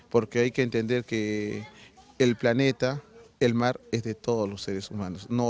karena kita harus mengerti bahwa planet laut adalah dari semua manusia